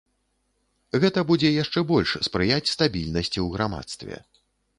Гэта будзе яшчэ больш спрыяць стабільнасці ў грамадстве.